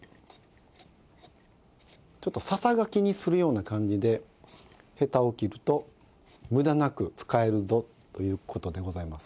ちょっとささがきにするような感じでヘタを切ると無駄なく使えるぞという事でございます。